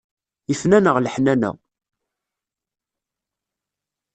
Ifen-aneɣ leḥnana.